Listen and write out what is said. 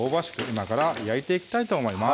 今から焼いていきたいと思います